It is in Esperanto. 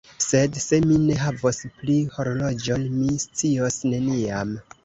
Sed se mi ne havos pli horloĝon, mi scios neniam.